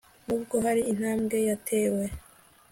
n ubwo hari intambwe yatewe